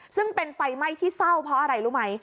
ซึ่งเป็นไฟไหม้ที่เศร้าเพราะอะไรรู้ไหม